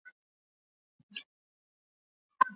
Arratsaldean, atertzera egingo du.